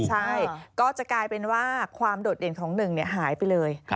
ใช่ก็จะกลายเป็นว่าความโดดเด่นของหนึ่งหายไปเลย